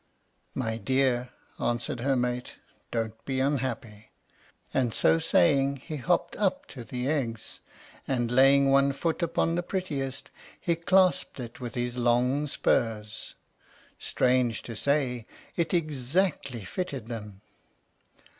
"My dear," answered her mate, "don't be unhappy." And so saying, he hopped up to the eggs, and laying one foot upon the prettiest, he clasped it with his long spurs. Strange to say, it exactly fitted them.